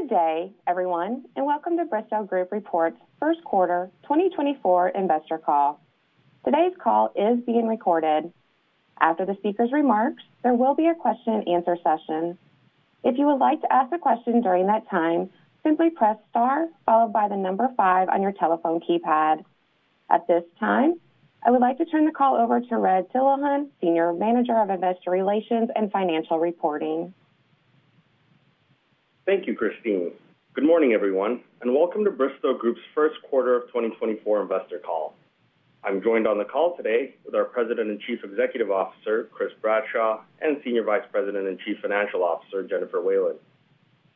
Good day, everyone, and welcome to Bristow Group's First Quarter 2024 Investor Call. Today's call is being recorded. After the speaker's remarks, there will be a question-and-answer session. If you would like to ask a question during that time, simply press star followed by the number 5 on your telephone keypad. At this time, I would like to turn the call over to Redeate Tilahun, Senior Manager of Investor Relations and Financial Reporting. Thank you, Christine. Good morning, everyone, and welcome to Bristow Group's First Quarter of 2024 Investor Call. I'm joined on the call today with our President and Chief Executive Officer Chris Bradshaw and Senior Vice President and Chief Financial Officer Jennifer Whalen.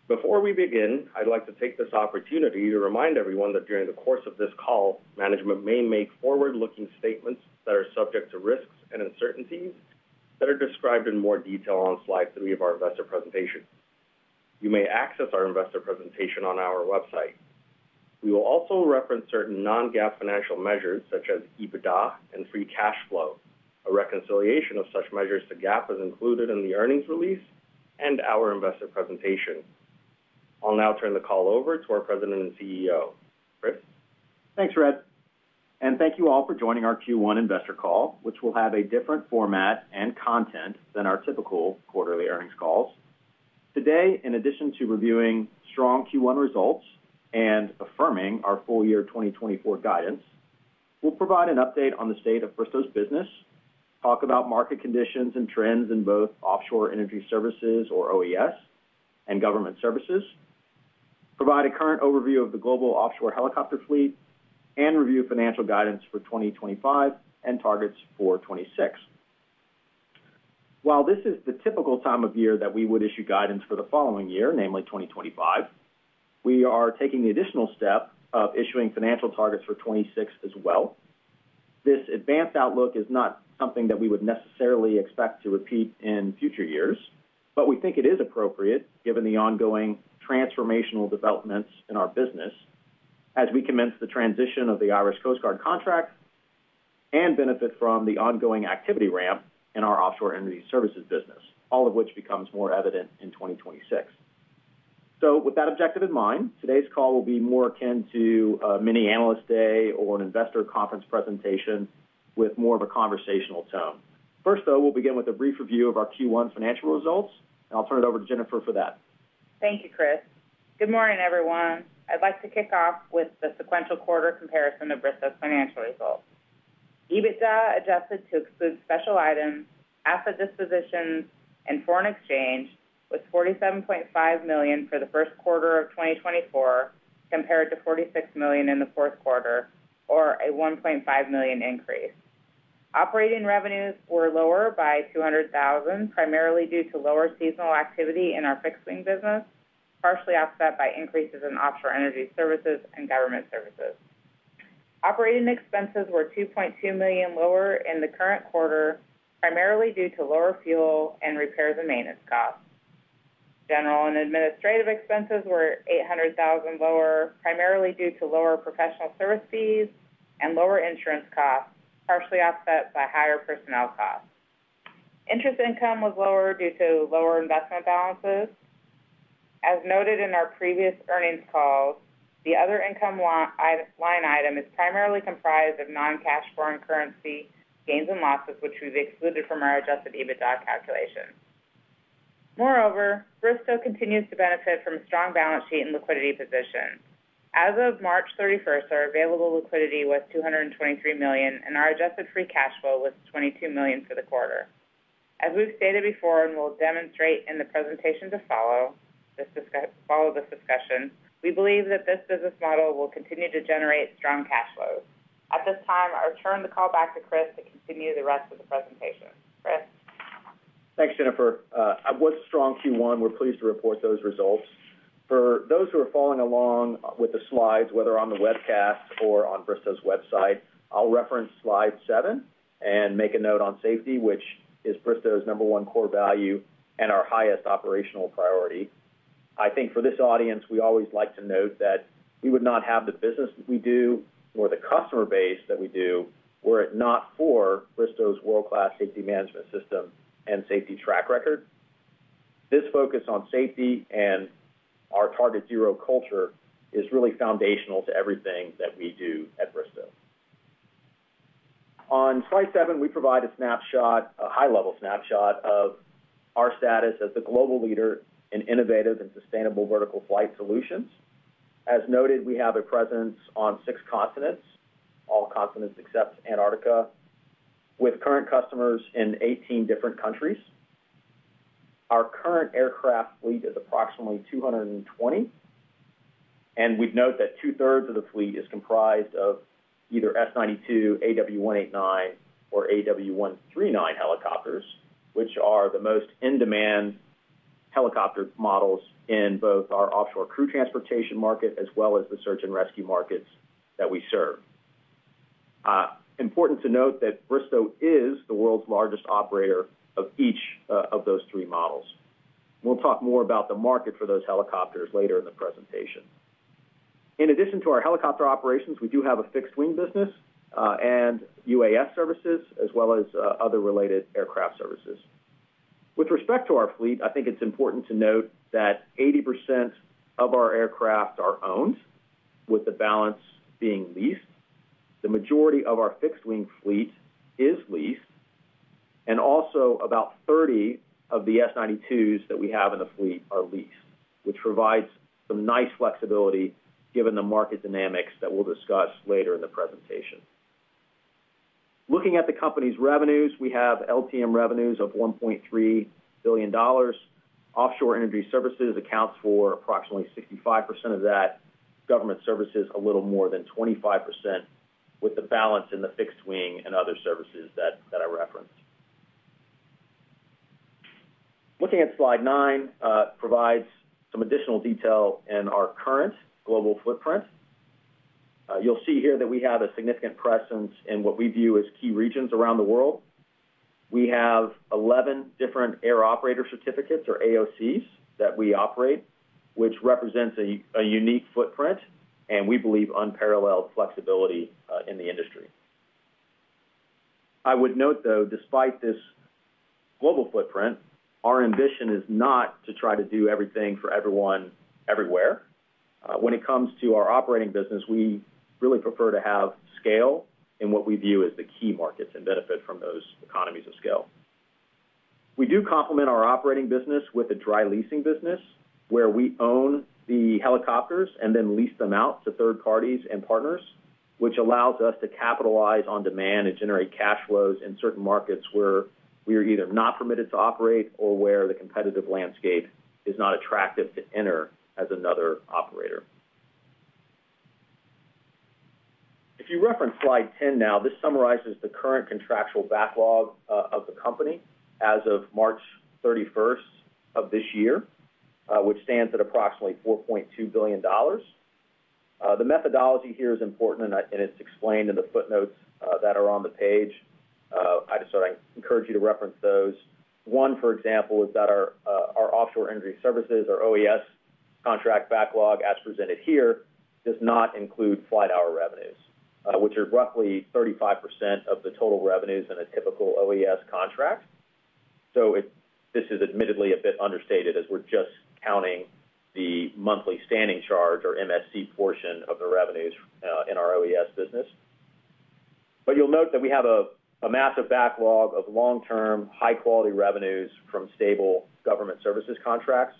Before we begin, I'd like to take this opportunity to remind everyone that during the course of this call, management may make forward-looking statements that are subject to risks and uncertainties that are described in more detail on slide three of our investor presentation. You may access our investor presentation on our website. We will also reference certain non-GAAP financial measures such as EBITDA and free cash flow. A reconciliation of such measures to GAAP is included in the earnings release and our investor presentation. I'll now turn the call over to our President and CEO, Chris. Thanks, Red. Thank you all for joining our Q1 investor call, which will have a different format and content than our typical quarterly earnings calls. Today, in addition to reviewing strong Q1 results and affirming our full year 2024 guidance, we'll provide an update on the state of Bristow's business, talk about market conditions and trends in both offshore energy services or OES and government services, provide a current overview of the global offshore helicopter fleet, and review financial guidance for 2025 and targets for 2026. While this is the typical time of year that we would issue guidance for the following year, namely 2025, we are taking the additional step of issuing financial targets for 2026 as well. This advanced outlook is not something that we would necessarily expect to repeat in future years, but we think it is appropriate given the ongoing transformational developments in our business as we commence the transition of the Irish Coast Guard contract and benefit from the ongoing activity ramp in our offshore energy services business, all of which becomes more evident in 2026. With that objective in mind, today's call will be more akin to a mini analyst day or an investor conference presentation with more of a conversational tone. First, though, we'll begin with a brief review of our Q1 financial results, and I'll turn it over to Jennifer for that. Thank you, Chris. Good morning, everyone. I'd like to kick off with the sequential quarter comparison of Bristow's financial results. EBITDA adjusted to exclude special items, asset dispositions, and foreign exchange was $47.5 million for the first quarter of 2024 compared to $46 million in the fourth quarter, or a $1.5 million increase. Operating revenues were lower by $200,000, primarily due to lower seasonal activity in our fixed-wing business, partially offset by increases in offshore energy services and government services. Operating expenses were $2.2 million lower in the current quarter, primarily due to lower fuel and repairs and maintenance costs. General and administrative expenses were $800,000 lower, primarily due to lower professional service fees and lower insurance costs, partially offset by higher personnel costs. Interest income was lower due to lower investment balances. As noted in our previous earnings calls, the other income line item is primarily comprised of non-cash foreign currency gains and losses, which we've excluded from our adjusted EBITDA calculation. Moreover, Bristow continues to benefit from a strong balance sheet and liquidity position. As of March 31st, our available liquidity was $223 million, and our adjusted free cash flow was $22 million for the quarter. As we've stated before and will demonstrate in the presentation to follow this discussion, we believe that this business model will continue to generate strong cash flows. At this time, I'll turn the call back to Chris to continue the rest of the presentation. Chris. Thanks, Jennifer. With a strong Q1, we're pleased to report those results. For those who are following along with the slides, whether on the webcast or on Bristow's website, I'll reference slide 7 and make a note on safety, which is Bristow's number one core value and our highest operational priority. I think for this audience, we always like to note that we would not have the business we do or the customer base that we do were it not for Bristow's world-class safety management system and safety track record. This focus on safety and our Target Zero culture is really foundational to everything that we do at Bristow. On slide 7, we provide a snapshot, a high-level snapshot of our status as the global leader in innovative and sustainable vertical flight solutions. As noted, we have a presence on 6 continents, all continents except Antarctica, with current customers in 18 different countries. Our current aircraft fleet is approximately 220, and we'd note that two-thirds of the fleet is comprised of either S-92, AW189, or AW139 helicopters, which are the most in-demand helicopter models in both our offshore crew transportation market as well as the search and rescue markets that we serve. Important to note that Bristow is the world's largest operator of each of those three models. We'll talk more about the market for those helicopters later in the presentation. In addition to our helicopter operations, we do have a fixed-wing business and UAS services as well as other related aircraft services. With respect to our fleet, I think it's important to note that 80% of our aircraft are owned, with the balance being leased. The majority of our fixed-wing fleet is leased, and also about 30 of the S-92s that we have in the fleet are leased, which provides some nice flexibility given the market dynamics that we'll discuss later in the presentation. Looking at the company's revenues, we have LTM revenues of $1.3 billion. Offshore Energy Services accounts for approximately 65% of that, Government Services a little more than 25%, with the balance in the fixed-wing and other services that I referenced. Looking at slide 9 provides some additional detail in our current global footprint. You'll see here that we have a significant presence in what we view as key regions around the world. We have 11 different air operator certificates or AOCs that we operate, which represents a unique footprint and we believe unparalleled flexibility in the industry. I would note, though, despite this global footprint, our ambition is not to try to do everything for everyone everywhere. When it comes to our operating business, we really prefer to have scale in what we view as the key markets and benefit from those economies of scale. We do complement our operating business with a dry leasing business where we own the helicopters and then lease them out to third parties and partners, which allows us to capitalize on demand and generate cash flows in certain markets where we are either not permitted to operate or where the competitive landscape is not attractive to enter as another operator. If you reference slide 10 now, this summarizes the current contractual backlog of the company as of March 31st of this year, which stands at approximately $4.2 billion. The methodology here is important, and it's explained in the footnotes that are on the page. I just encourage you to reference those. One, for example, is that our offshore energy services, our OES contract backlog, as presented here, does not include flight hour revenues, which are roughly 35% of the total revenues in a typical OES contract. So this is admittedly a bit understated as we're just counting the monthly standing charge or MSC portion of the revenues in our OES business. But you'll note that we have a massive backlog of long-term, high-quality revenues from stable government services contracts,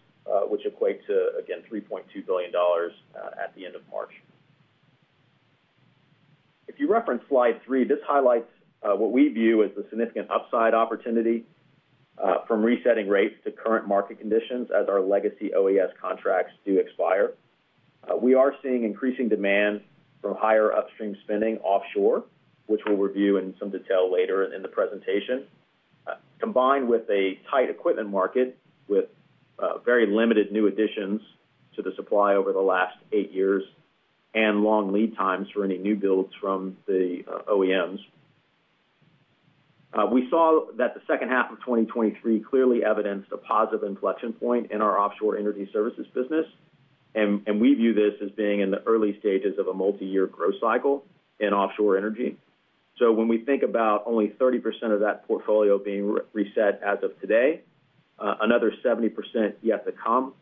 which equate to, again, $3.2 billion at the end of March. If you reference slide three, this highlights what we view as the significant upside opportunity from resetting rates to current market conditions as our legacy OES contracts do expire. We are seeing increasing demand from higher upstream spending offshore, which we'll review in some detail later in the presentation, combined with a tight equipment market with very limited new additions to the supply over the last 8 years and long lead times for any new builds from the OEMs. We saw that the second half of 2023 clearly evidenced a positive inflection point in our offshore energy services business, and we view this as being in the early stages of a multi-year growth cycle in offshore energy. So when we think about only 30% of that portfolio being reset as of today, another 70% yet to come,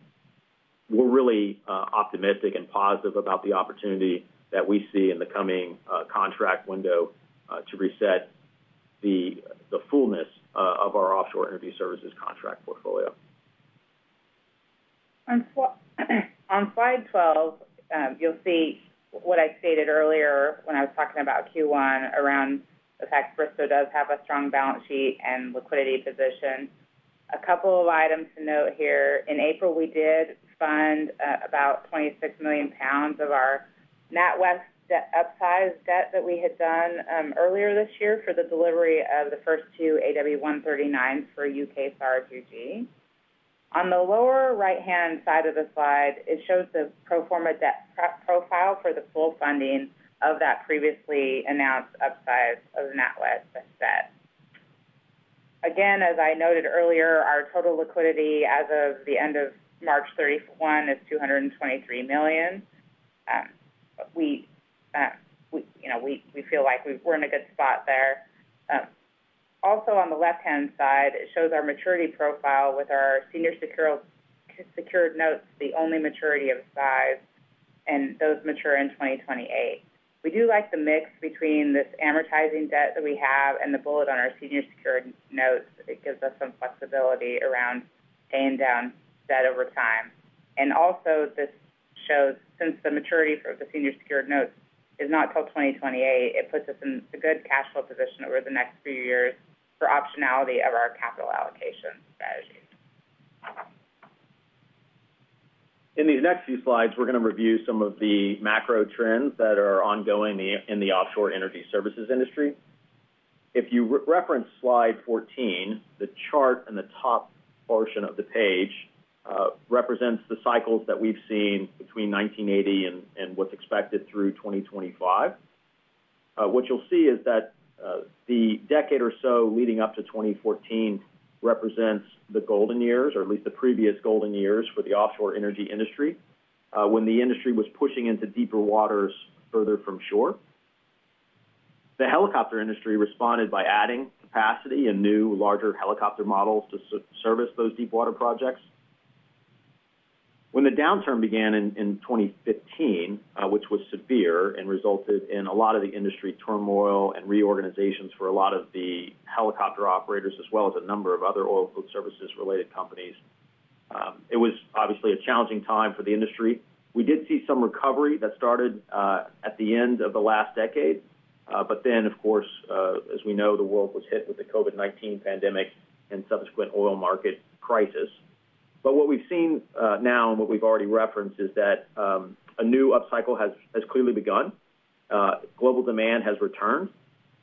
we're really optimistic and positive about the opportunity that we see in the coming contract window to reset the fullness of our offshore energy services contract portfolio. On slide 12, you'll see what I stated earlier when I was talking about Q1 around the fact Bristow does have a strong balance sheet and liquidity position. A couple of items to note here. In April, we did fund about 26 million pounds of our NatWest upsized debt that we had done earlier this year for the delivery of the first two AW139s for UKSAR2G. On the lower right-hand side of the slide, it shows the pro forma debt profile for the full funding of that previously announced upsize of NatWest debt. Again, as I noted earlier, our total liquidity as of the end of March 31 is $223 million. We feel like we're in a good spot there. Also, on the left-hand side, it shows our maturity profile with our senior secured notes, the only maturity of size, and those mature in 2028. We do like the mix between this amortizing debt that we have and the bullet on our senior secured notes. It gives us some flexibility around paying down debt over time. Also, this shows, since the maturity for the senior secured notes is not till 2028, it puts us in a good cash flow position over the next few years for optionality of our capital allocation strategy. In these next few slides, we're going to review some of the macro trends that are ongoing in the offshore energy services industry. If you reference slide 14, the chart in the top portion of the page represents the cycles that we've seen between 1980 and what's expected through 2025. What you'll see is that the decade or so leading up to 2014 represents the golden years, or at least the previous golden years for the offshore energy industry, when the industry was pushing into deeper waters further from shore. The helicopter industry responded by adding capacity and new, larger helicopter models to service those deep-water projects. When the downturn began in 2015, which was severe and resulted in a lot of the industry turmoil and reorganizations for a lot of the helicopter operators as well as a number of other oil and fuel services-related companies, it was obviously a challenging time for the industry. We did see some recovery that started at the end of the last decade, but then, of course, as we know, the world was hit with the COVID-19 pandemic and subsequent oil market crisis. But what we've seen now and what we've already referenced is that a new upcycle has clearly begun. Global demand has returned,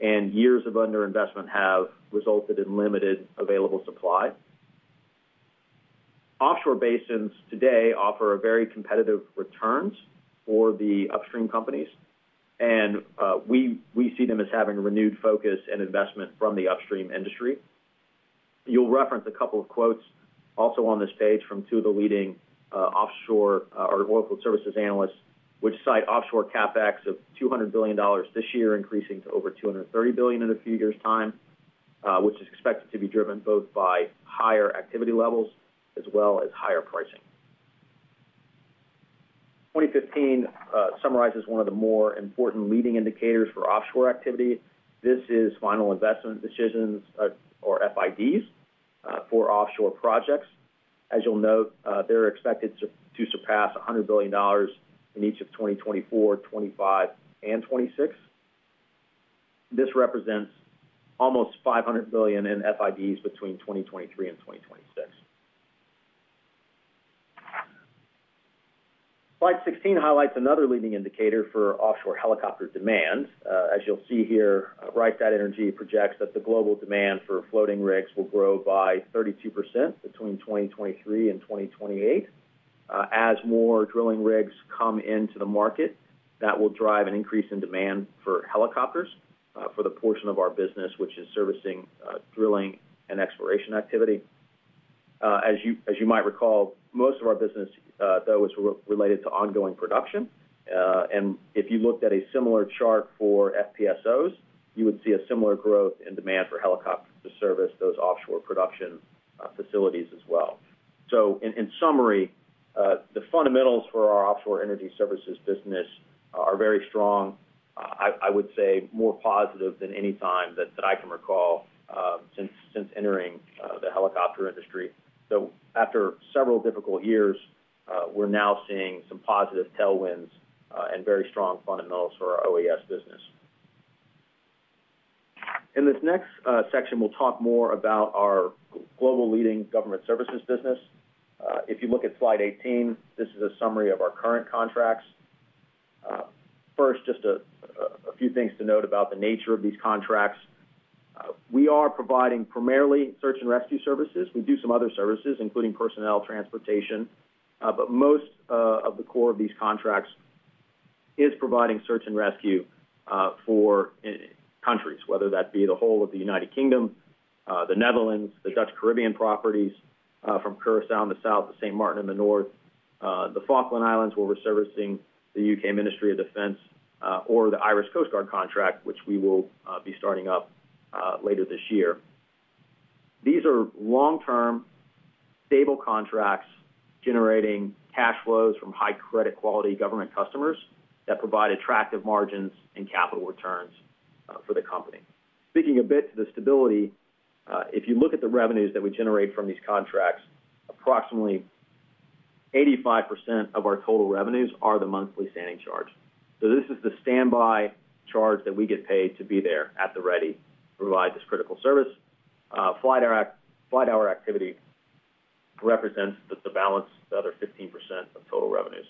and years of underinvestment have resulted in limited available supply. Offshore basins today offer very competitive returns for the upstream companies, and we see them as having renewed focus and investment from the upstream industry. You'll reference a couple of quotes also on this page from two of the leading offshore oil and gas services analysts, which cite offshore CapEx of $200 billion this year increasing to over $230 billion in a few years' time, which is expected to be driven both by higher activity levels as well as higher pricing. Slide 15 summarizes one of the more important leading indicators for offshore activity. This is final investment decisions or FIDs for offshore projects. As you'll note, they're expected to surpass $100 billion in each of 2024, 2025, and 2026. This represents almost $500 billion in FIDs between 2023 and 2026. Slide 16 highlights another leading indicator for offshore helicopter demand. As you'll see here, Rystad Energy projects that the global demand for floating rigs will grow by 32% between 2023 and 2028. As more drilling rigs come into the market, that will drive an increase in demand for helicopters for the portion of our business, which is servicing drilling and exploration activity. As you might recall, most of our business, though, is related to ongoing production. If you looked at a similar chart for FPSOs, you would see a similar growth in demand for helicopter to service those offshore production facilities as well. In summary, the fundamentals for our offshore energy services business are very strong, I would say, more positive than any time that I can recall since entering the helicopter industry. After several difficult years, we're now seeing some positive tailwinds and very strong fundamentals for our OES business. In this next section, we'll talk more about our global leading government services business. If you look at slide 18, this is a summary of our current contracts. First, just a few things to note about the nature of these contracts. We are providing primarily search and rescue services. We do some other services, including personnel transportation. But most of the core of these contracts is providing search and rescue for countries, whether that be the whole of the United Kingdom, the Netherlands, the Dutch Caribbean properties from Curaçao in the south, Sint Maarten in the north, the Falkland Islands, where we're servicing the UK Ministry of Defence, or the Irish Coast Guard contract, which we will be starting up later this year. These are long-term, stable contracts generating cash flows from high-credit quality government customers that provide attractive margins and capital returns for the company. Speaking a bit to the stability, if you look at the revenues that we generate from these contracts, approximately 85% of our total revenues are the monthly standing charge. So this is the standby charge that we get paid to be there at the ready to provide this critical service. Flight hour activity represents the balance, the other 15% of total revenues.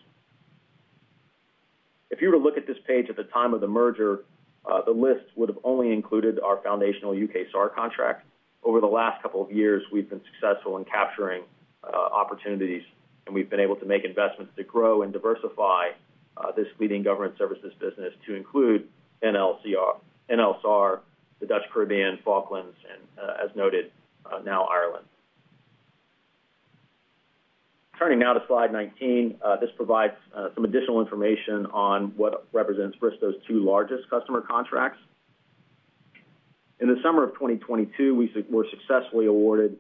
If you were to look at this page at the time of the merger, the list would have only included our foundational UK SAR contract. Over the last couple of years, we've been successful in capturing opportunities, and we've been able to make investments to grow and diversify this leading government services business to include NL SAR, the Dutch Caribbean, Falklands, and as noted, now Ireland. Turning now to slide 19, this provides some additional information on what represents Bristow's two largest customer contracts. In the summer of 2022, we were successfully awarded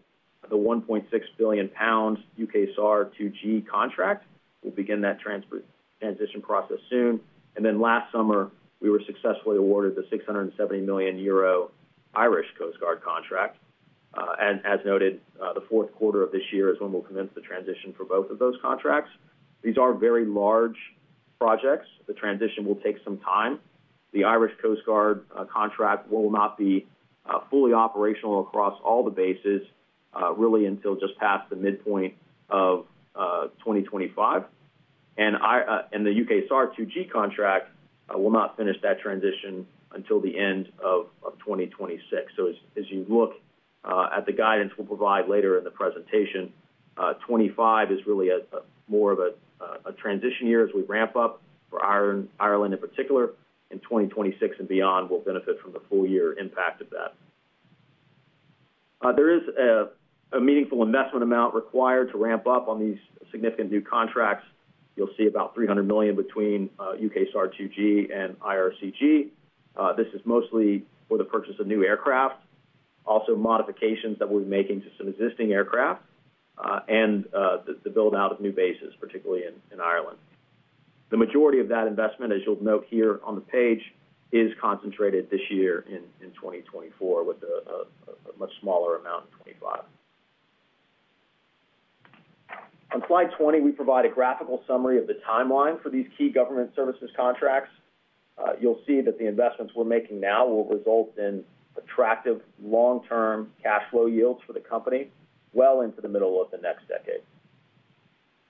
the 1.6 billion pounds UKSAR2G contract. We'll begin that transition process soon. Then last summer, we were successfully awarded the 670 million euro Irish Coast Guard contract. As noted, the fourth quarter of this year is when we'll commence the transition for both of those contracts. These are very large projects. The transition will take some time. The Irish Coast Guard contract will not be fully operational across all the bases, really until just past the midpoint of 2025. The UKSAR2G contract will not finish that transition until the end of 2026. As you look at the guidance we'll provide later in the presentation, 2025 is really more of a transition year as we ramp up for Ireland in particular. 2026 and beyond will benefit from the full-year impact of that. There is a meaningful investment amount required to ramp up on these significant new contracts. You'll see about $300 million between UKSAR2G and IRCG. This is mostly for the purchase of new aircraft, also modifications that we're making to some existing aircraft, and the build-out of new bases, particularly in Ireland. The majority of that investment, as you'll note here on the page, is concentrated this year in 2024 with a much smaller amount in 2025. On slide 20, we provide a graphical summary of the timeline for these key government services contracts. You'll see that the investments we're making now will result in attractive long-term cash flow yields for the company well into the middle of the next decade.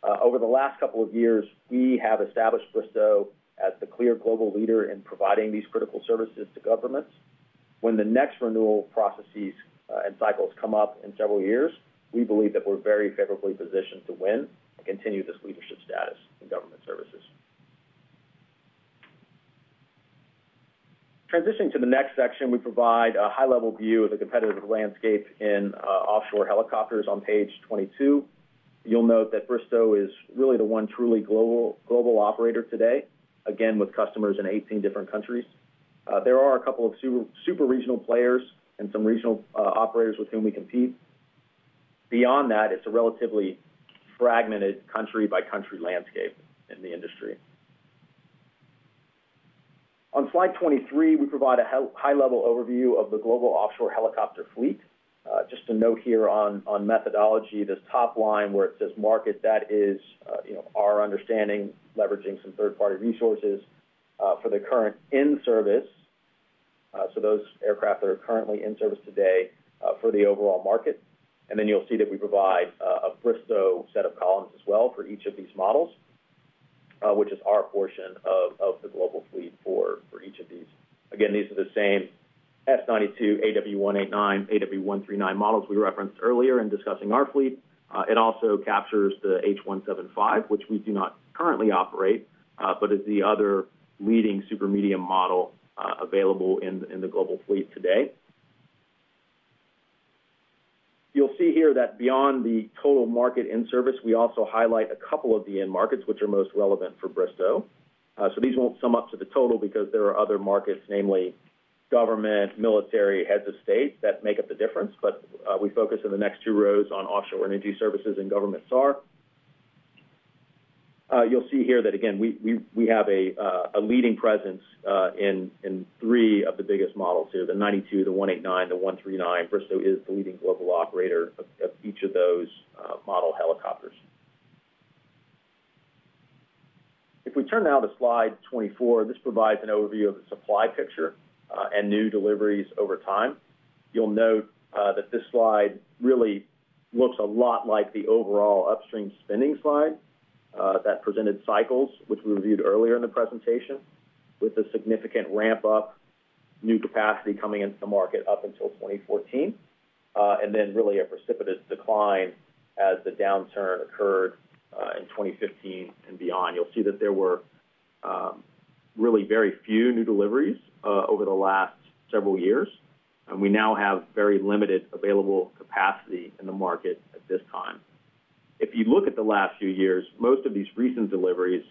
Over the last couple of years, we have established Bristow as the clear global leader in providing these critical services to governments. When the next renewal processes and cycles come up in several years, we believe that we're very favorably positioned to win and continue this leadership status in government services. Transitioning to the next section, we provide a high-level view of the competitive landscape in offshore helicopters on page 22. You'll note that Bristow is really the one truly global operator today, again with customers in 18 different countries. There are a couple of super regional players and some regional operators with whom we compete. Beyond that, it's a relatively fragmented country-by-country landscape in the industry. On slide 23, we provide a high-level overview of the global offshore helicopter fleet. Just to note here on methodology, this top line where it says market, that is our understanding leveraging some third-party resources for the current in-service, so those aircraft that are currently in-service today, for the overall market. And then you'll see that we provide a Bristow set of columns as well for each of these models, which is our portion of the global fleet for each of these. Again, these are the same S-92, AW189, AW139 models we referenced earlier in discussing our fleet. It also captures the H175, which we do not currently operate but is the other leading super-medium model available in the global fleet today. You'll see here that beyond the total market in-service, we also highlight a couple of the end markets, which are most relevant for Bristow. So these won't sum up to the total because there are other markets, namely government, military, heads of state, that make up the difference. But we focus in the next two rows on offshore energy services and government SAR. You'll see here that, again, we have a leading presence in three of the biggest models here, the 92, the 189, the 139. Bristow is the leading global operator of each of those model helicopters. If we turn now to slide 24, this provides an overview of the supply picture and new deliveries over time. You'll note that this slide really looks a lot like the overall upstream spending slide that presented cycles, which we reviewed earlier in the presentation, with a significant ramp-up, new capacity coming into the market up until 2014, and then really a precipitous decline as the downturn occurred in 2015 and beyond. You'll see that there were really very few new deliveries over the last several years, and we now have very limited available capacity in the market at this time. If you look at the last few years, most of these recent deliveries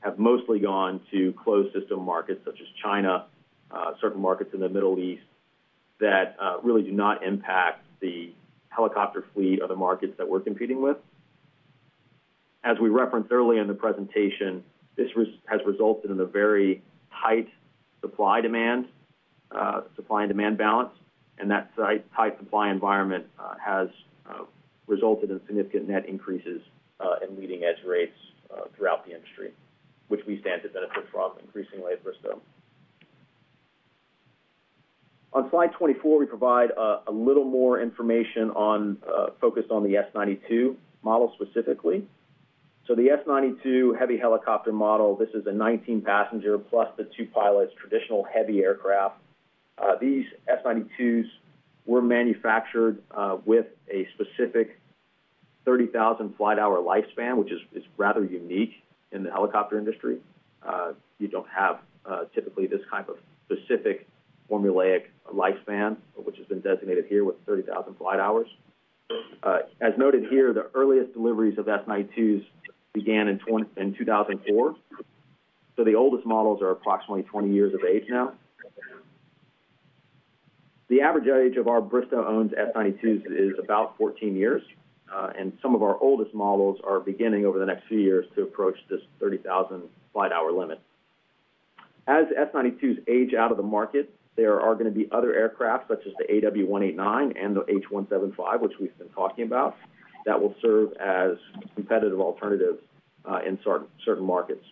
have mostly gone to closed-system markets such as China, certain markets in the Middle East that really do not impact the helicopter fleet or the markets that we're competing with. As we referenced earlier in the presentation, this has resulted in a very tight supply-demand balance, and that tight supply environment has resulted in significant net increases in leading-edge rates throughout the industry, which we stand to benefit from increasingly at Bristow. On slide 24, we provide a little more information focused on the S-92 model specifically. So the S-92 heavy helicopter model, this is a 19-passenger plus the two pilots, traditional heavy aircraft. These S-92s were manufactured with a specific 30,000 flight-hour lifespan, which is rather unique in the helicopter industry. You don't have typically this type of specific formulaic lifespan, which has been designated here with 30,000 flight hours. As noted here, the earliest deliveries of S-92s began in 2004. So the oldest models are approximately 20 years of age now. The average age of our Bristow-owned S-92s is about 14 years, and some of our oldest models are beginning over the next few years to approach this 30,000 flight-hour limit. As S-92s age out of the market, there are going to be other aircraft such as the AW189 and the H175, which we've been talking about, that will serve as competitive alternatives in certain markets.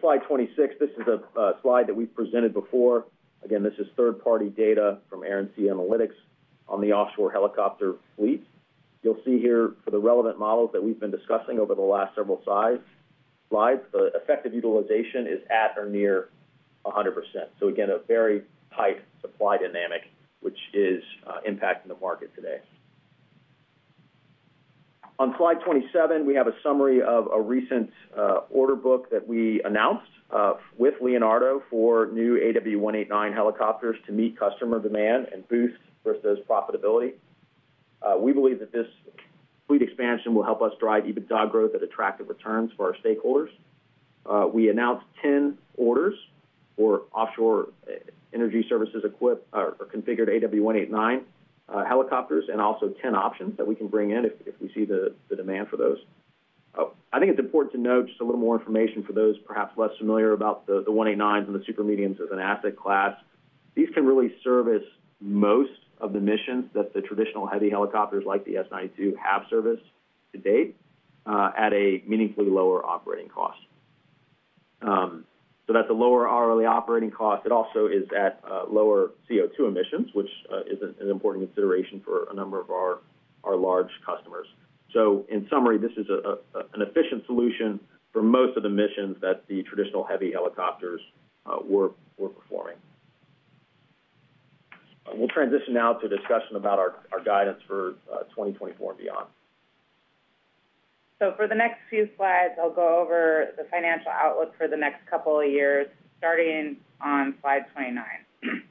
If you look at slide 26, this is a slide that we've presented before. Again, this is third-party data from Air & Sea Analytics on the offshore helicopter fleet. You'll see here for the relevant models that we've been discussing over the last several slides, the effective utilization is at or near 100%. So again, a very tight supply dynamic, which is impacting the market today. On slide 27, we have a summary of a recent order book that we announced with Leonardo for new AW189 helicopters to meet customer demand and boost Bristow's profitability. We believe that this fleet expansion will help us drive even stronger growth at attractive returns for our stakeholders. We announced 10 orders for offshore energy services configured AW189 helicopters and also 10 options that we can bring in if we see the demand for those. I think it's important to note just a little more information for those perhaps less familiar about the 189s and the super mediums as an asset class. These can really service most of the missions that the traditional heavy helicopters like the S-92 have serviced to date at a meaningfully lower operating cost. So that's a lower hourly operating cost. It also is at lower CO2 emissions, which is an important consideration for a number of our large customers. So in summary, this is an efficient solution for most of the missions that the traditional heavy helicopters were performing. We'll transition now to a discussion about our guidance for 2024 and beyond. So for the next few slides, I'll go over the financial outlook for the next couple of years, starting on slide 29.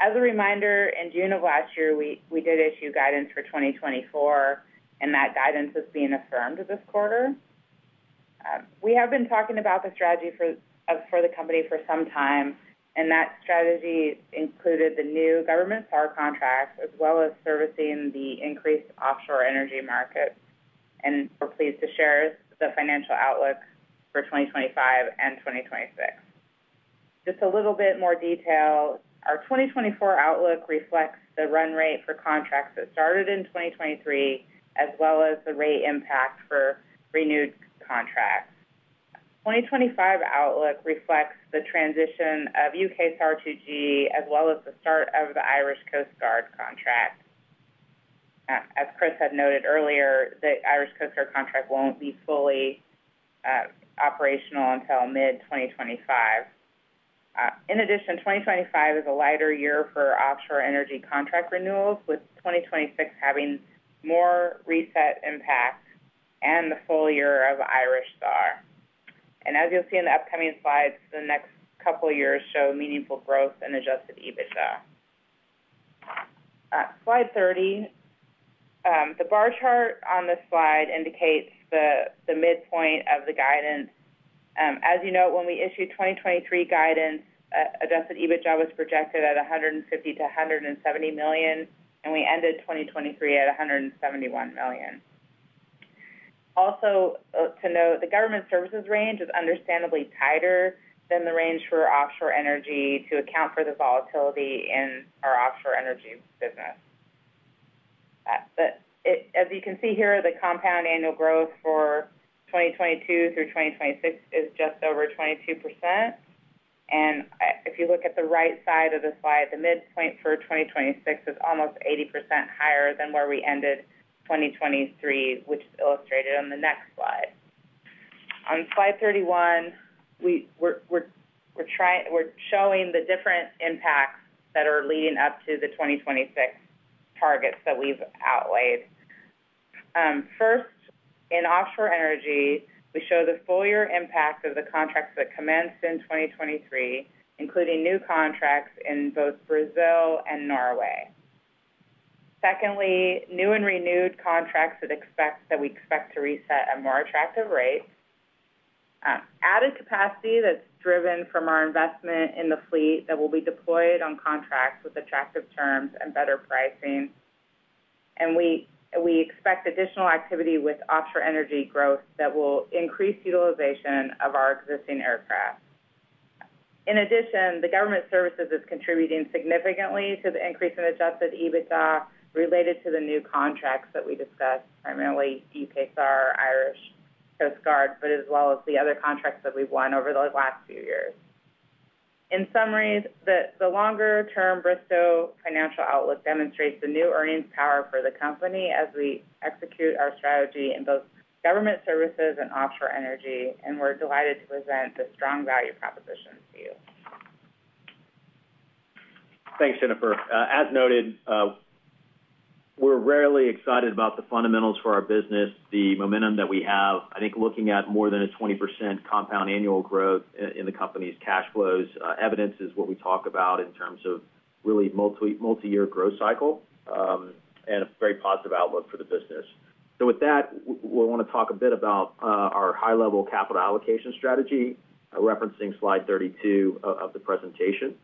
As a reminder, in June of last year, we did issue guidance for 2024, and that guidance is being affirmed this quarter. We have been talking about the strategy for the company for some time, and that strategy included the new government SAR contracts as well as servicing the increased offshore energy market. We're pleased to share the financial outlook for 2025 and 2026. Just a little bit more detail, our 2024 outlook reflects the run rate for contracts that started in 2023 as well as the rate impact for renewed contracts. 2025 outlook reflects the transition of UK SAR2G as well as the start of the Irish Coast Guard contract. As Chris had noted earlier, the Irish Coast Guard contract won't be fully operational until mid-2025. In addition, 2025 is a lighter year for offshore energy contract renewals, with 2026 having more reset impact and the full year of Irish SAR. And as you'll see in the upcoming slides, the next couple of years show meaningful growth in Adjusted EBITDA. Slide 30, the bar chart on this slide indicates the midpoint of the guidance. As you note, when we issued 2023 guidance, Adjusted EBITDA was projected at $150 million-$170 million, and we ended 2023 at $171 million. Also to note, the government services range is understandably tighter than the range for offshore energy to account for the volatility in our offshore energy business. As you can see here, the compound annual growth for 2022 through 2026 is just over 22%. And if you look at the right side of the slide, the midpoint for 2026 is almost 80% higher than where we ended 2023, which is illustrated on the next slide. On slide 31, we're showing the different impacts that are leading up to the 2026 targets that we've outlaid. First, in offshore energy, we show the full-year impact of the contracts that commenced in 2023, including new contracts in both Brazil and Norway. Secondly, new and renewed contracts that we expect to reset at more attractive rates, added capacity that's driven from our investment in the fleet that will be deployed on contracts with attractive terms and better pricing. And we expect additional activity with offshore energy growth that will increase utilization of our existing aircraft. In addition, the government services is contributing significantly to the increase in adjusted EBITDA related to the new contracts that we discussed, primarily UK SAR, Irish Coast Guard, but as well as the other contracts that we've won over the last few years. In summary, the longer-term Bristow financial outlook demonstrates the new earnings power for the company as we execute our strategy in both government services and offshore energy, and we're delighted to present this strong value proposition to you. Thanks, Jennifer. As noted, we're rarely excited about the fundamentals for our business, the momentum that we have. I think looking at more than 20% compound annual growth in the company's cash flows evidences what we talk about in terms of really multi-year growth cycle and a very positive outlook for the business. So with that, we want to talk a bit about our high-level capital allocation strategy, referencing slide 32 of the presentation.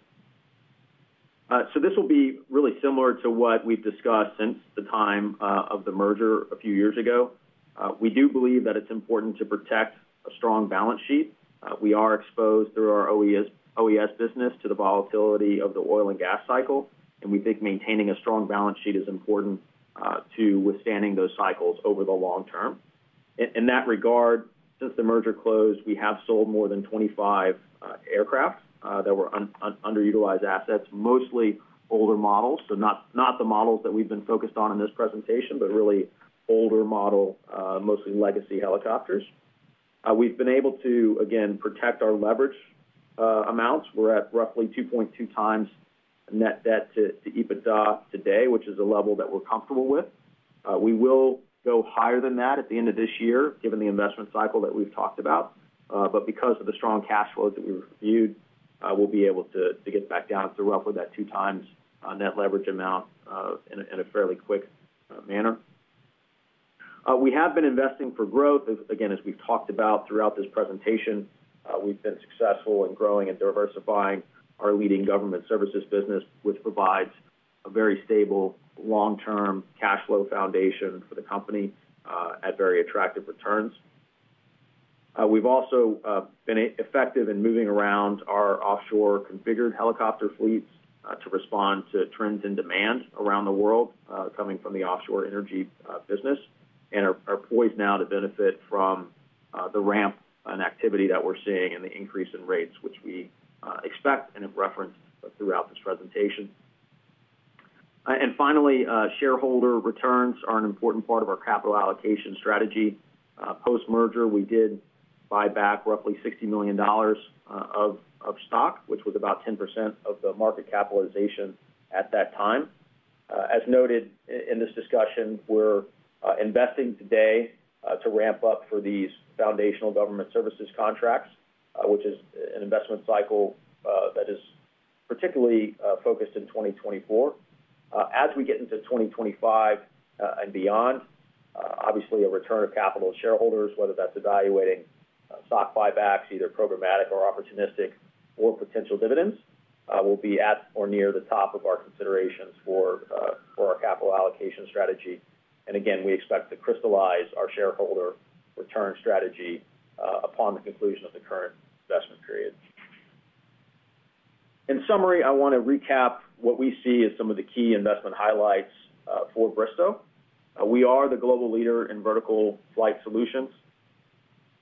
So this will be really similar to what we've discussed since the time of the merger a few years ago. We do believe that it's important to protect a strong balance sheet. We are exposed through our OES business to the volatility of the oil and gas cycle, and we think maintaining a strong balance sheet is important to withstanding those cycles over the long term. In that regard, since the merger closed, we have sold more than 25 aircraft that were underutilized assets, mostly older models, so not the models that we've been focused on in this presentation, but really older model, mostly legacy helicopters. We've been able to, again, protect our leverage amounts. We're at roughly 2.2x net debt to EBITDA today, which is a level that we're comfortable with. We will go higher than that at the end of this year given the investment cycle that we've talked about, but because of the strong cash flows that we reviewed, we'll be able to get back down to roughly that 2x net leverage amount in a fairly quick manner. We have been investing for growth. Again, as we've talked about throughout this presentation, we've been successful in growing and diversifying our leading government services business, which provides a very stable long-term cash flow foundation for the company at very attractive returns. We've also been effective in moving around our offshore configured helicopter fleets to respond to trends in demand around the world coming from the offshore energy business and are poised now to benefit from the ramp in activity that we're seeing and the increase in rates, which we expect and have referenced throughout this presentation. Finally, shareholder returns are an important part of our capital allocation strategy. Post-merger, we did buy back roughly $60 million of stock, which was about 10% of the market capitalization at that time. As noted in this discussion, we're investing today to ramp up for these foundational government services contracts, which is an investment cycle that is particularly focused in 2024. As we get into 2025 and beyond, obviously, a return of capital to shareholders, whether that's evaluating stock buybacks, either programmatic or opportunistic, or potential dividends, will be at or near the top of our considerations for our capital allocation strategy. Again, we expect to crystallize our shareholder return strategy upon the conclusion of the current investment period. In summary, I want to recap what we see as some of the key investment highlights for Bristow. We are the global leader in vertical flight solutions.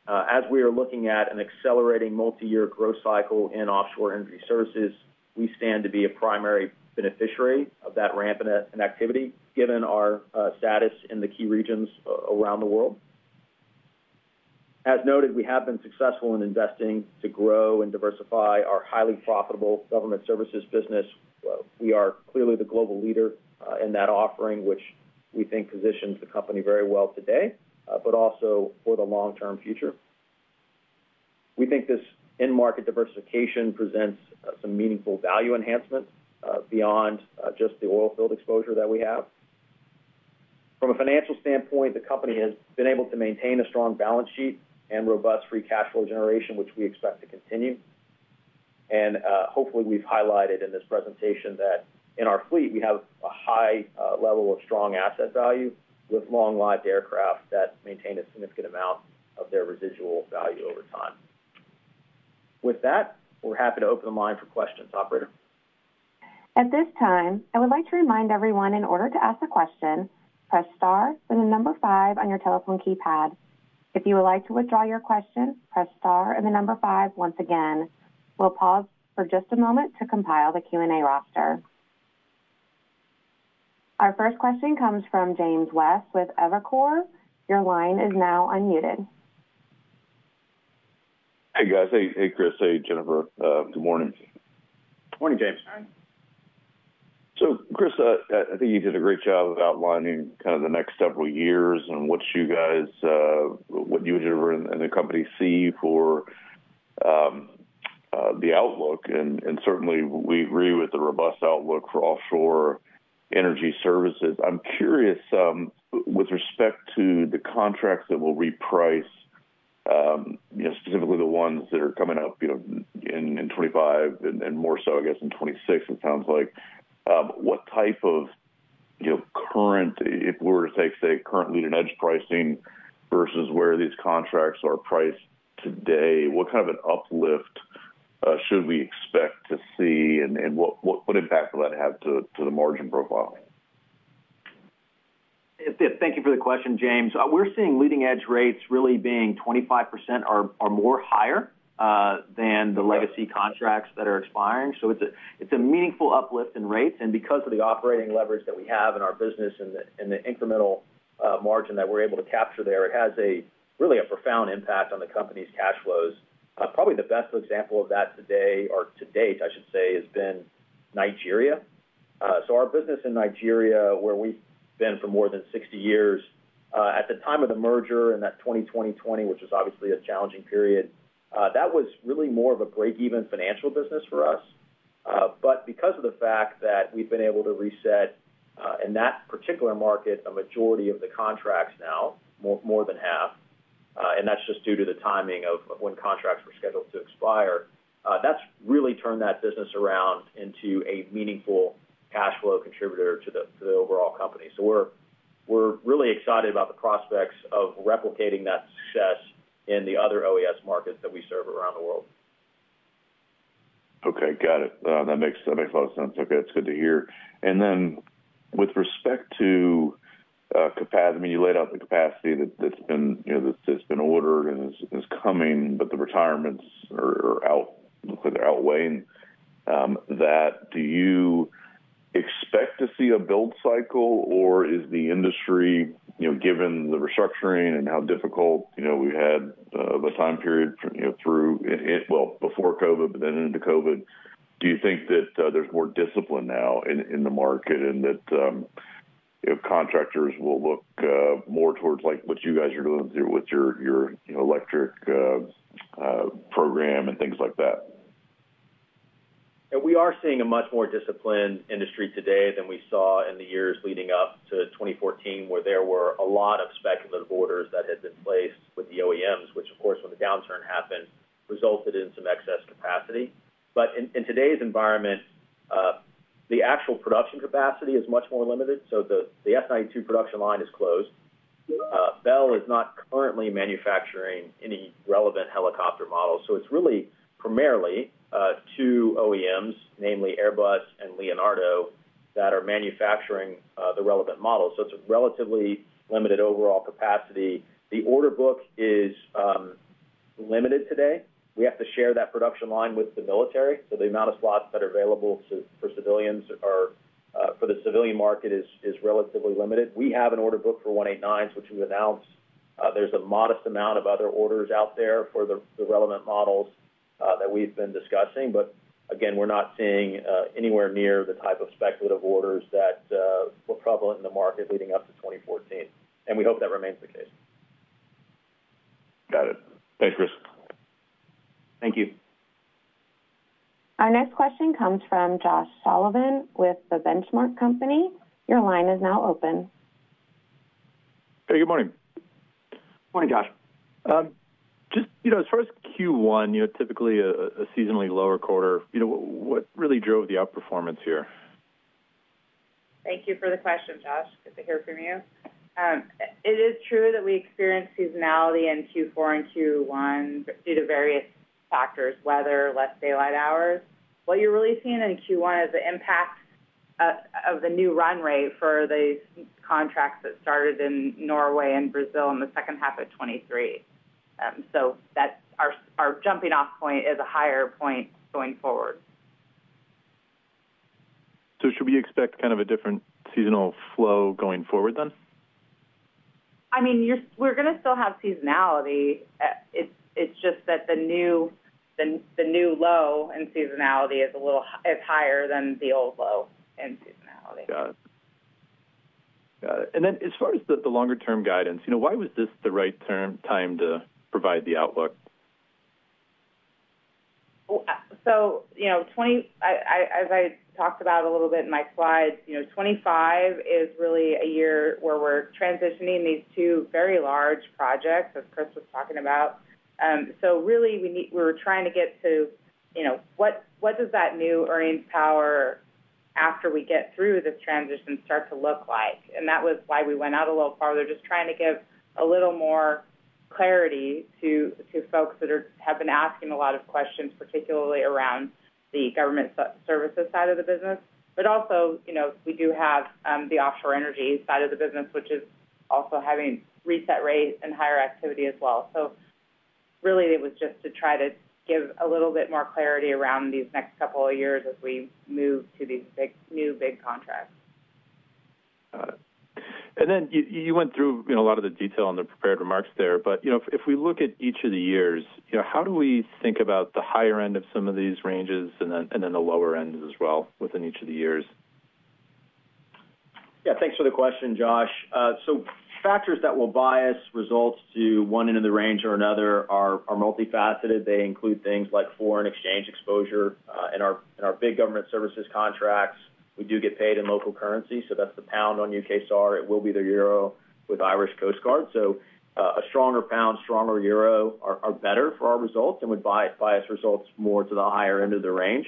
As we are looking at an accelerating multi-year growth cycle in offshore energy services, we stand to be a primary beneficiary of that ramp in activity given our status in the key regions around the world. As noted, we have been successful in investing to grow and diversify our highly profitable government services business. We are clearly the global leader in that offering, which we think positions the company very well today, but also for the long-term future. We think this in-market diversification presents some meaningful value enhancement beyond just the oilfield exposure that we have. From a financial standpoint, the company has been able to maintain a strong balance sheet and robust free cash flow generation, which we expect to continue. And hopefully, we've highlighted in this presentation that in our fleet, we have a high level of strong asset value with long-lived aircraft that maintain a significant amount of their residual value over time. With that, we're happy to open the line for questions, operator. At this time, I would like to remind everyone, in order to ask a question, press star and the number 5 on your telephone keypad. If you would like to withdraw your question, press star and the number 5 once again. We'll pause for just a moment to compile the Q&A roster. Our first question comes from James West with Evercore. Your line is now unmuted. Hey, guys. Hey, Chris. Hey, Jennifer. Good morning. Morning, James. So, Chris, I think you did a great job of outlining kind of the next several years and what you and Jennifer and the company see for the outlook. And certainly, we agree with the robust outlook for offshore energy services. I'm curious, with respect to the contracts that will reprice, specifically the ones that are coming up in 2025 and more so, I guess, in 2026, it sounds like, what type of current if we were to take, say, current leading-edge pricing versus where these contracts are priced today, what kind of an uplift should we expect to see, and what impact will that have to the margin profile? Thank you for the question, James. We're seeing leading-edge rates really being 25% or more higher than the legacy contracts that are expiring. So it's a meaningful uplift in rates. And because of the operating leverage that we have in our business and the incremental margin that we're able to capture there, it has really a profound impact on the company's cash flows. Probably the best example of that today or to date, I should say, has been Nigeria. So our business in Nigeria, where we've been for more than 60 years, at the time of the merger in that 2020, which was obviously a challenging period, that was really more of a break-even financial business for us. But because of the fact that we've been able to reset in that particular market a majority of the contracts now, more than half, and that's just due to the timing of when contracts were scheduled to expire, that's really turned that business around into a meaningful cash flow contributor to the overall company. So we're really excited about the prospects of replicating that success in the other OES markets that we serve around the world. Okay. Got it. That makes a lot of sense. Okay. That's good to hear. And then with respect to capacity, I mean, you laid out the capacity that's been ordered and is coming, but the retirements look like they're outweighing that. Do you expect to see a build cycle, or is the industry, given the restructuring and how difficult we've had of a time period through well, before COVID, but then into COVID, do you think that there's more discipline now in the market and that contractors will look more towards what you guys are doing through with your electric program and things like that? And we are seeing a much more disciplined industry today than we saw in the years leading up to 2014, where there were a lot of speculative orders that had been placed with the OEMs, which, of course, when the downturn happened, resulted in some excess capacity. In today's environment, the actual production capacity is much more limited. The S-92 production line is closed. Bell is not currently manufacturing any relevant helicopter models. It's really primarily two OEMs, namely Airbus and Leonardo, that are manufacturing the relevant models. It's a relatively limited overall capacity. The order book is limited today. We have to share that production line with the military. The amount of slots that are available for civilians are for the civilian market is relatively limited. We have an order book for 189s, which we've announced. There's a modest amount of other orders out there for the relevant models that we've been discussing. But again, we're not seeing anywhere near the type of speculative orders that were prevalent in the market leading up to 2014. And we hope that remains the case. Got it. Thanks, Chris. Thank you. Our next question comes from Josh Sullivan with The Benchmark Company. Your line is now open. Hey, good morning. Morning, Josh. Just as far as Q1, typically a seasonally lower quarter, what really drove the outperformance here? Thank you for the question, Josh. Good to hear from you. It is true that we experience seasonality in Q4 and Q1 due to various factors, weather, less daylight hours. What you're really seeing in Q1 is the impact of the new run rate for the contracts that started in Norway and Brazil in the second half of 2023. Our jumping-off point is a higher point going forward. So should we expect kind of a different seasonal flow going forward then? I mean, we're going to still have seasonality. It's just that the new low in seasonality is higher than the old low in seasonality. Got it. Got it. And then as far as the longer-term guidance, why was this the right time to provide the outlook? So as I talked about a little bit in my slides, 2025 is really a year where we're transitioning these two very large projects as Chris was talking about. So really, we were trying to get to what does that new earnings power after we get through this transition start to look like? And that was why we went out a little farther, just trying to give a little more clarity to folks that have been asking a lot of questions, particularly around the government services side of the business. But also, we do have the offshore energy side of the business, which is also having reset rates and higher activity as well. So really, it was just to try to give a little bit more clarity around these next couple of years as we move to these new big contracts. Got it. And then you went through a lot of the detail in the prepared remarks there. But if we look at each of the years, how do we think about the higher end of some of these ranges and then the lower ends as well within each of the years? Yeah. Thanks for the question, Josh. So factors that will bias results to one end of the range or another are multifaceted. They include things like foreign exchange exposure. In our big government services contracts, we do get paid in local currency. So that's the pound on UK SAR. It will be the euro with Irish Coast Guard. So a stronger pound, stronger euro are better for our results and would bias results more to the higher end of the range.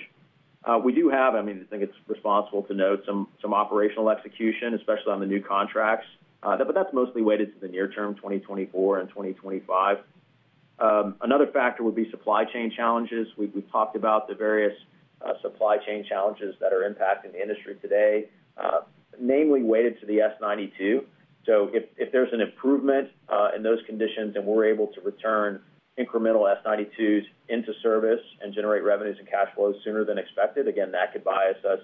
We do have—I mean, I think it's responsible to note some operational execution, especially on the new contracts, but that's mostly weighted to the near term, 2024 and 2025. Another factor would be supply chain challenges. We've talked about the various supply chain challenges that are impacting the industry today, namely weighted to the S-92. So if there's an improvement in those conditions and we're able to return incremental S-92s into service and generate revenues and cash flows sooner than expected, again, that could bias us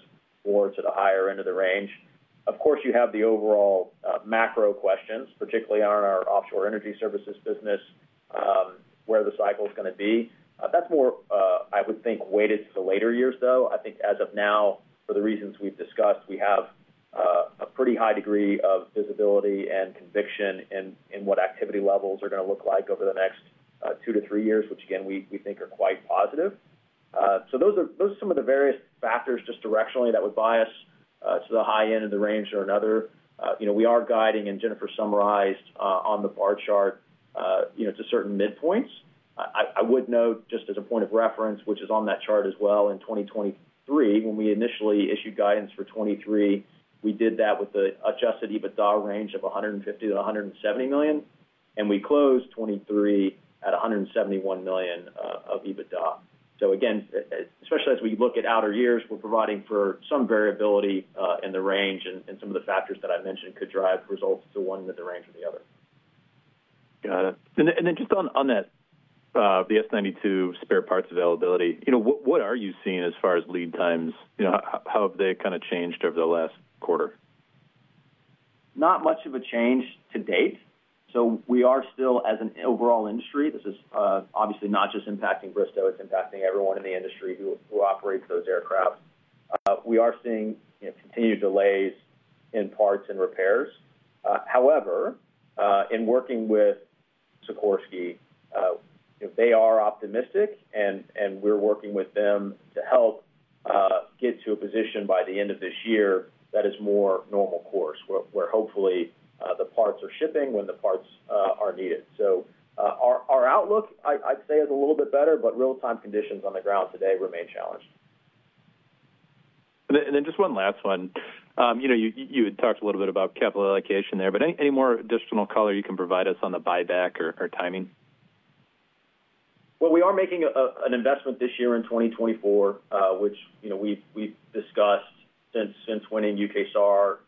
more to the higher end of the range. Of course, you have the overall macro questions, particularly on our offshore energy services business, where the cycle is going to be. That's more, I would think, weighted to the later years, though. I think as of now, for the reasons we've discussed, we have a pretty high degree of visibility and conviction in what activity levels are going to look like over the next two to three years, which, again, we think are quite positive. So those are some of the various factors just directionally that would bias to the high end of the range or another. We are guiding, and Jennifer summarized on the bar chart, to certain midpoints. I would note just as a point of reference, which is on that chart as well, in 2023, when we initially issued guidance for 2023, we did that with an adjusted EBITDA range of $150 million-$170 million. And we closed 2023 at $171 million of EBITDA. So again, especially as we look at outer years, we're providing for some variability in the range, and some of the factors that I mentioned could drive results to one end of the range or the other. Got it. And then just on the S-92 spare parts availability, what are you seeing as far as lead times? How have they kind of changed over the last quarter? Not much of a change to date. So we are still, as an overall industry, this is obviously not just impacting Bristow. It's impacting everyone in the industry who operates those aircraft. We are seeing continued delays in parts and repairs. However, in working with Sikorsky, they are optimistic, and we're working with them to help get to a position by the end of this year that is more normal course, where hopefully, the parts are shipping when the parts are needed. So our outlook, I'd say, is a little bit better, but real-time conditions on the ground today remain challenged. Just one last one. You had talked a little bit about capital allocation there, but any more additional color you can provide us on the buyback or timing? Well, we are making an investment this year in 2024, which we've discussed since winning UK SAR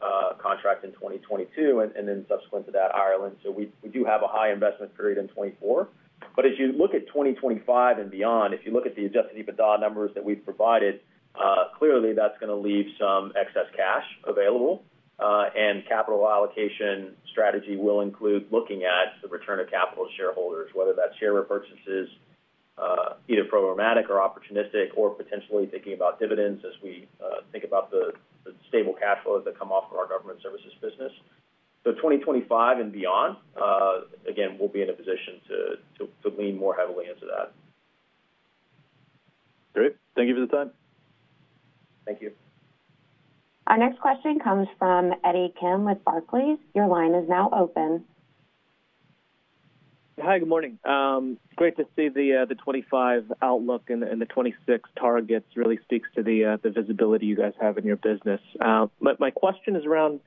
contract in 2022 and then subsequent to that, Ireland. So we do have a high investment period in 2024. But as you look at 2025 and beyond, if you look at the adjusted EBITDA numbers that we've provided, clearly, that's going to leave some excess cash available. And capital allocation strategy will include looking at the return of capital to shareholders, whether that's share repurchases, either programmatic or opportunistic, or potentially thinking about dividends as we think about the stable cash flows that come off of our government services business. So 2025 and beyond, again, we'll be in a position to lean more heavily into that. Great. Thank you for the time. Thank you. Our next question comes from Eddie Kim with Barclays. Your line is now open. Hi. Good morning. Great to see the 2025 outlook and the 2026 targets really speaks to the visibility you guys have in your business. My question is around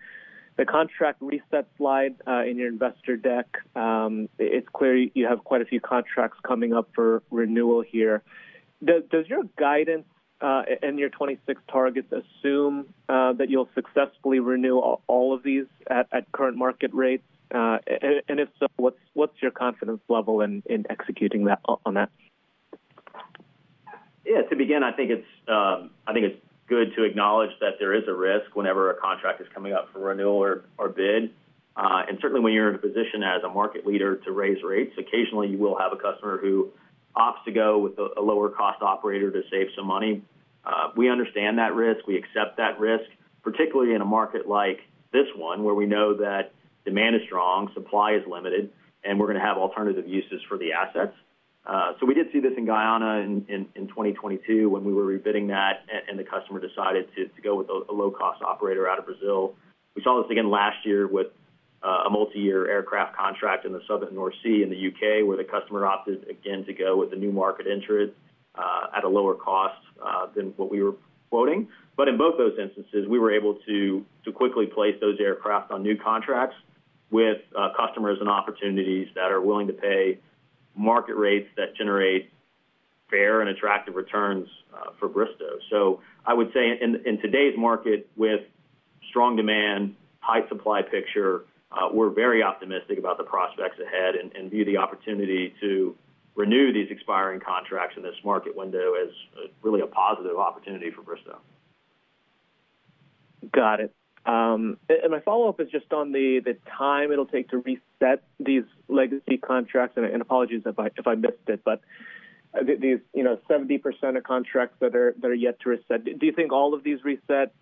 the contract reset slide in your investor deck. It's clear you have quite a few contracts coming up for renewal here. Does your guidance and your 2026 targets assume that you'll successfully renew all of these at current market rates? And if so, what's your confidence level in executing that on that? Yeah. To begin, I think it's good to acknowledge that there is a risk whenever a contract is coming up for renewal or bid. Certainly, when you're in a position as a market leader to raise rates, occasionally, you will have a customer who opts to go with a lower-cost operator to save some money. We understand that risk. We accept that risk, particularly in a market like this one where we know that demand is strong, supply is limited, and we're going to have alternative uses for the assets. We did see this in Guyana in 2022 when we were rebidding that, and the customer decided to go with a low-cost operator out of Brazil. We saw this again last year with a multi-year aircraft contract in the Southern North Sea in the UK where the customer opted, again, to go with a new market entrant at a lower cost than what we were quoting. But in both those instances, we were able to quickly place those aircraft on new contracts with customers and opportunities that are willing to pay market rates that generate fair and attractive returns for Bristow. So I would say, in today's market, with strong demand, high supply picture, we're very optimistic about the prospects ahead and view the opportunity to renew these expiring contracts in this market window as really a positive opportunity for Bristow. Got it. And my follow-up is just on the time it'll take to reset these legacy contracts. And apologies if I missed it, but these 70% of contracts that are yet to reset, do you think all of these reset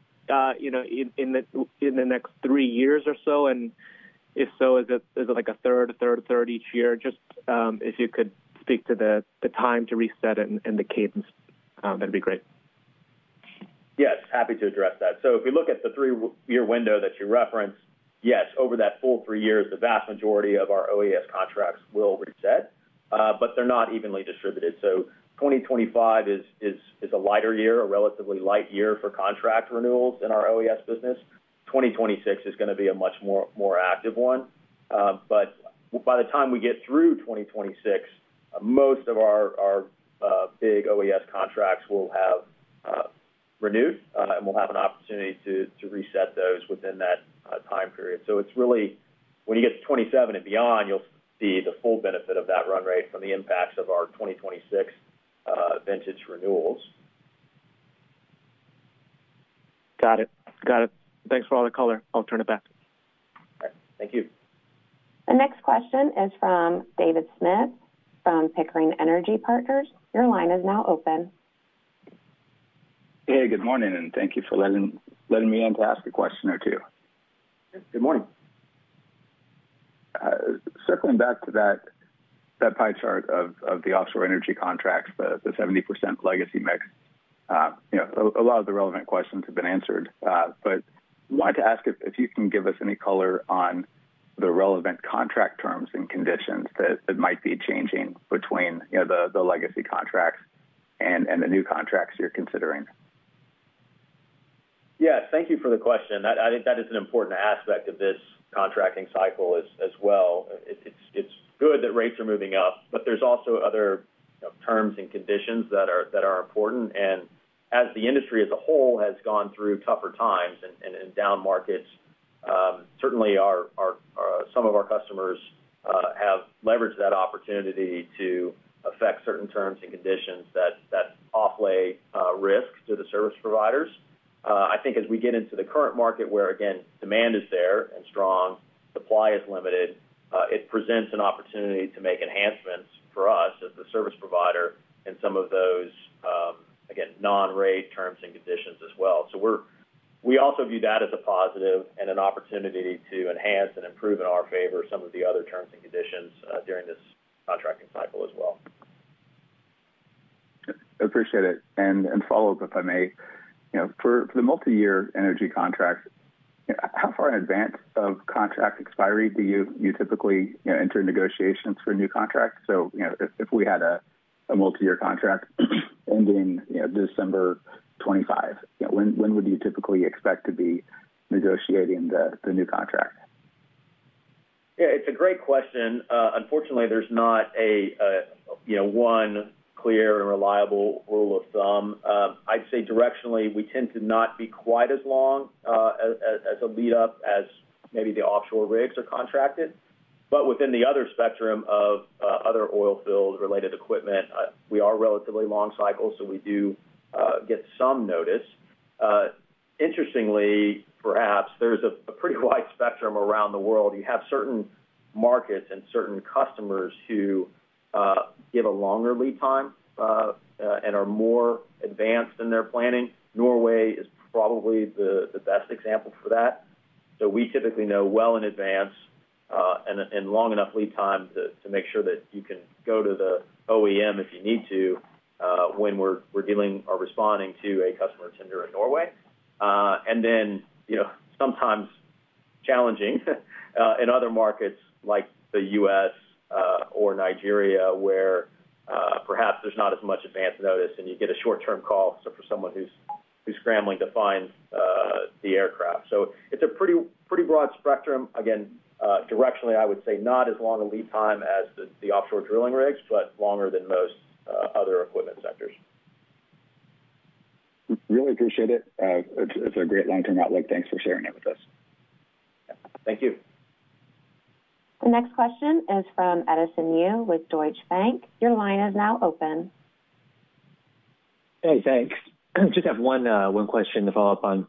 in the next three years or so? And if so, is it a third, a third, a third each year? Just if you could speak to the time to reset and the cadence, that'd be great. Yes. Happy to address that. So if we look at the 3-year window that you referenced, yes, over that full 3 years, the vast majority of our OES contracts will reset, but they're not evenly distributed. So 2025 is a lighter year, a relatively light year for contract renewals in our OES business. 2026 is going to be a much more active one. But by the time we get through 2026, most of our big OES contracts will have renewed, and we'll have an opportunity to reset those within that time period. So it's really when you get to 2027 and beyond, you'll see the full benefit of that run rate from the impacts of our 2026 vintage renewals. Got it. Got it. Thanks for all the color. I'll turn it back. All right. Thank you. The next question is from David Smith from Pickering Energy Partners. Your line is now open. Hey. Good morning. Thank you for letting me in to ask a question or two. Good morning. Circling back to that pie chart of the offshore energy contracts, the 70% legacy mix, a lot of the relevant questions have been answered. But I wanted to ask if you can give us any color on the relevant contract terms and conditions that might be changing between the legacy contracts and the new contracts you're considering. Yeah. Thank you for the question. I think that is an important aspect of this contracting cycle as well. It's good that rates are moving up, but there's also other terms and conditions that are important. As the industry as a whole has gone through tougher times and down markets, certainly, some of our customers have leveraged that opportunity to affect certain terms and conditions that offload risk to the service providers. I think as we get into the current market where, again, demand is there and strong, supply is limited, it presents an opportunity to make enhancements for us as the service provider in some of those, again, non-rate terms and conditions as well. We also view that as a positive and an opportunity to enhance and improve in our favor some of the other terms and conditions during this contracting cycle as well. I appreciate it. And follow-up, if I may. For the multi-year energy contract, how far in advance of contract expiry do you typically enter negotiations for a new contract? So if we had a multi-year contract ending December 2025, when would you typically expect to be negotiating the new contract? Yeah. It's a great question. Unfortunately, there's not one clear and reliable rule of thumb. I'd say directionally, we tend to not be quite as long as a lead-up as maybe the offshore rigs are contracted. But within the other spectrum of other oilfield related equipment, we are relatively long cycles, so we do get some notice. Interestingly, perhaps, there's a pretty wide spectrum around the world. You have certain markets and certain customers who give a longer lead time and are more advanced in their planning. Norway is probably the best example for that. So we typically know well in advance and long enough lead time to make sure that you can go to the OEM if you need to when we're responding to a customer tender in Norway. Then sometimes challenging in other markets like the U.S. or Nigeria where perhaps there's not as much advance notice, and you get a short-term call for someone who's scrambling to find the aircraft. It's a pretty broad spectrum. Again, directionally, I would say not as long a lead time as the offshore drilling rigs, but longer than most other equipment sectors. Really appreciate it. It's a great long-term outlook. Thanks for sharing it with us. Thank you. The next question is from Edison Yu with Deutsche Bank. Your line is now open. Hey. Thanks. I just have one question to follow up on.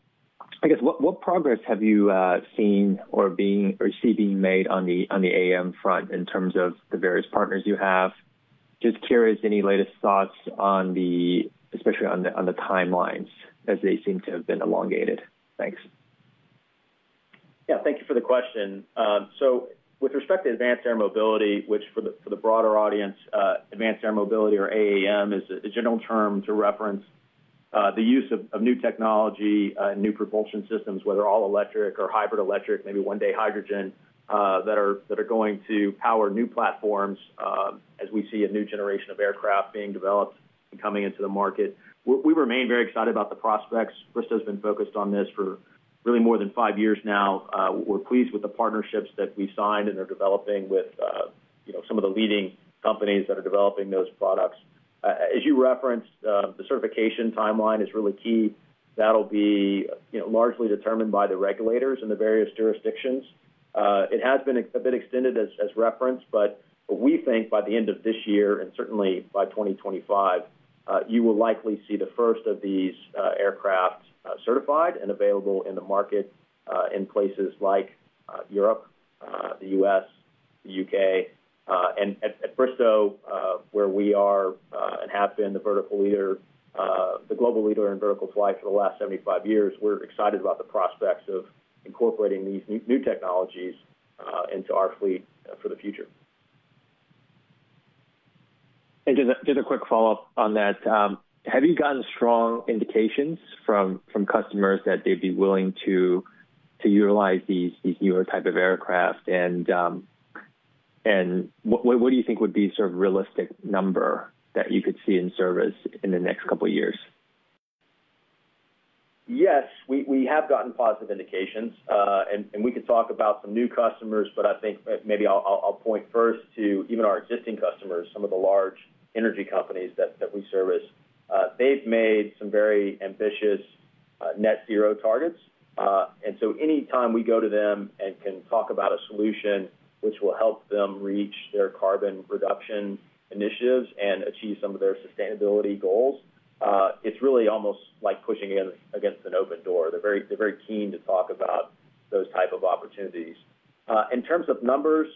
I guess, what progress have you seen or see being made on the AAM front in terms of the various partners you have? Just curious, any latest thoughts on the especially on the timelines as they seem to have been elongated? Thanks. Yeah. Thank you for the question. So with respect to advanced air mobility, which for the broader audience, advanced air mobility or AAM is a general term to reference the use of new technology and new propulsion systems, whether all-electric or hybrid-electric, maybe one-day hydrogen that are going to power new platforms as we see a new generation of aircraft being developed and coming into the market. We remain very excited about the prospects. Bristow's been focused on this for really more than five years now. We're pleased with the partnerships that we signed and are developing with some of the leading companies that are developing those products. As you referenced, the certification timeline is really key. That'll be largely determined by the regulators in the various jurisdictions. It has been a bit extended as reference, but we think by the end of this year and certainly by 2025, you will likely see the first of these aircraft certified and available in the market in places like Europe, the U.S., the U.K. At Bristow, where we are and have been the global leader in vertical flight for the last 75 years, we're excited about the prospects of incorporating these new technologies into our fleet for the future. Just a quick follow-up on that. Have you gotten strong indications from customers that they'd be willing to utilize these newer type of aircraft? What do you think would be sort of realistic number that you could see in service in the next couple of years? Yes. We have gotten positive indications. And we could talk about some new customers, but I think maybe I'll point first to even our existing customers, some of the large energy companies that we service. They've made some very ambitious net-zero targets. And so anytime we go to them and can talk about a solution which will help them reach their carbon reduction initiatives and achieve some of their sustainability goals, it's really almost like pushing against an open door. They're very keen to talk about those type of opportunities. In terms of numbers,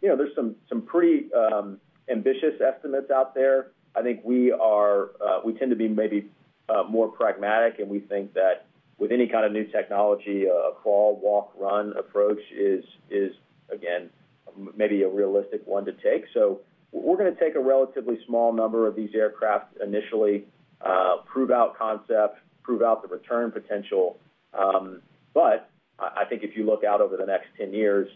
there's some pretty ambitious estimates out there. I think we tend to be maybe more pragmatic, and we think that with any kind of new technology, a crawl, walk, run approach is, again, maybe a realistic one to take. So we're going to take a relatively small number of these aircraft initially, prove out concept, prove out the return potential. But I think if you look out over the next 10 years,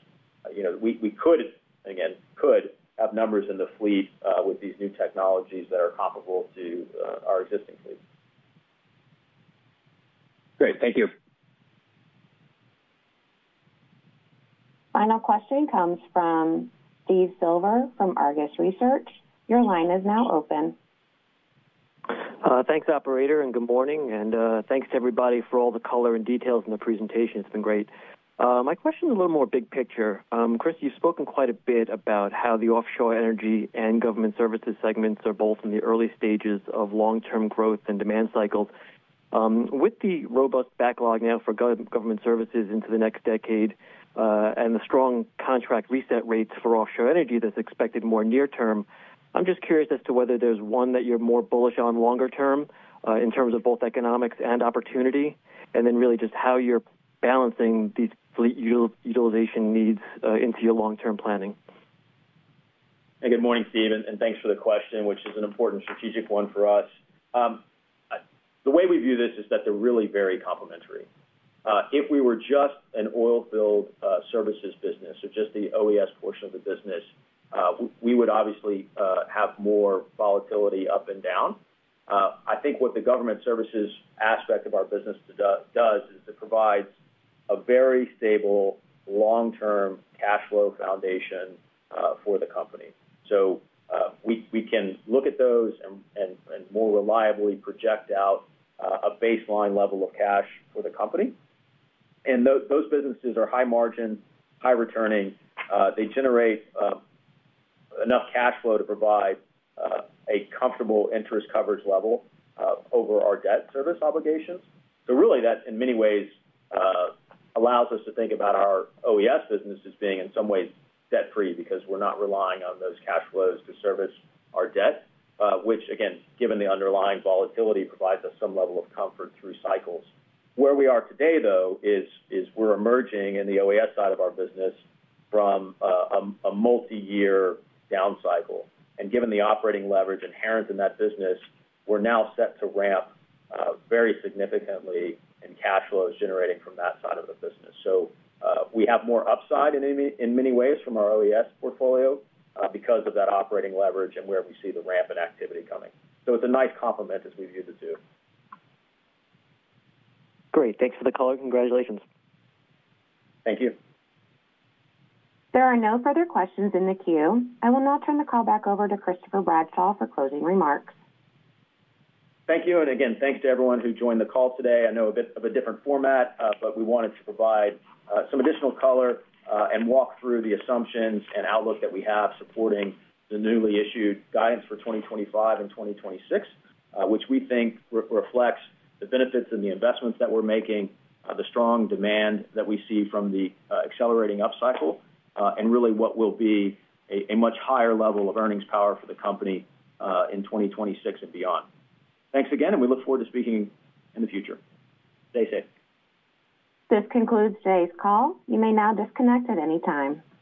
we could, again, could have numbers in the fleet with these new technologies that are comparable to our existing fleet. Great. Thank you. Final question comes from Steve Silver from Argus Research. Your line is now open. Thanks, operator, and good morning. Thanks to everybody for all the color and details in the presentation. It's been great. My question's a little more big picture. Chris, you've spoken quite a bit about how the offshore energy and government services segments are both in the early stages of long-term growth and demand cycles. With the robust backlog now for government services into the next decade and the strong contract reset rates for offshore energy that's expected more near term, I'm just curious as to whether there's one that you're more bullish on longer term in terms of both economics and opportunity, and then really just how you're balancing these fleet utilization needs into your long-term planning. Hey. Good morning, Steve. And thanks for the question, which is an important strategic one for us. The way we view this is that they're really very complementary. If we were just an oilfield services business or just the OES portion of the business, we would obviously have more volatility up and down. I think what the government services aspect of our business does is it provides a very stable long-term cash flow foundation for the company. So we can look at those and more reliably project out a baseline level of cash for the company. And those businesses are high-margin, high-returning. They generate enough cash flow to provide a comfortable interest coverage level over our debt service obligations. Really, that, in many ways, allows us to think about our OES business as being, in some ways, debt-free because we're not relying on those cash flows to service our debt, which, again, given the underlying volatility, provides us some level of comfort through cycles. Where we are today, though, is we're emerging in the OES side of our business from a multi-year down cycle. Given the operating leverage inherent in that business, we're now set to ramp very significantly in cash flows generating from that side of the business. It's a nice complement as we view the two. Great. Thanks for the color. Congratulations. Thank you. There are no further questions in the queue. I will now turn the call back over to Christopher Bradshaw for closing remarks. Thank you. Again, thanks to everyone who joined the call today. I know a bit of a different format, but we wanted to provide some additional color and walk through the assumptions and outlook that we have supporting the newly issued guidance for 2025 and 2026, which we think reflects the benefits and the investments that we're making, the strong demand that we see from the accelerating up cycle, and really what will be a much higher level of earnings power for the company in 2026 and beyond. Thanks again, and we look forward to speaking in the future. Stay safe. This concludes today's call. You may now disconnect at any time.